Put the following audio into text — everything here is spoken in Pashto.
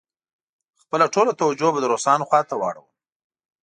خپله ټوله توجه به د روسانو خواته واړوم.